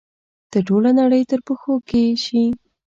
ته ټوله نړۍ تر پښو کښی شي